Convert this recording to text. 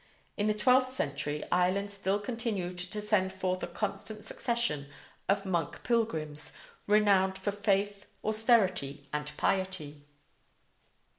In the twelfth century Ireland still continued to send forth a constant succession of monk pilgrims, renowned for faith, austerity, and piety.